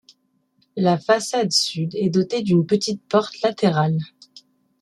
La façade sud est dotée d'une petite porte latérale.